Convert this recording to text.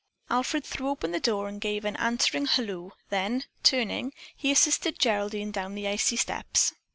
Alfred threw open the door and gave an answering halloo, then, turning, he assisted Geraldine down the icy steps.